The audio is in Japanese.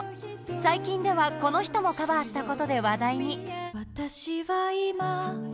最近ではこの人もカバーしたことで話題に。